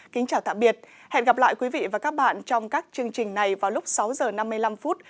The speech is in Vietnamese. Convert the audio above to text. kính chào tạm biệt hẹn gặp lại quý vị và các bạn trong các chương trình này vào lúc sáu h năm mươi năm phút